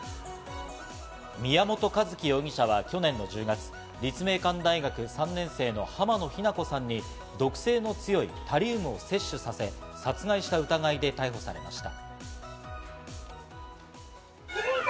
宮本一希容疑者は去年の１０月、立命館大学３年生の浜野日菜子さんに毒性が強いタリウムを摂取させ、殺害した疑いで逮捕されました。